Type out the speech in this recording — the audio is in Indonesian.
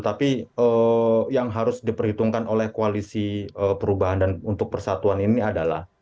tapi yang harus diperhitungkan oleh koalisi perubahan dan untuk persatuan ini adalah